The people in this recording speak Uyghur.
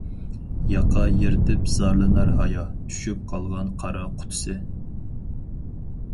ياقا يىرتىپ زارلىنار ھايا، چۈشۈپ قالغان قارا قۇتىسى.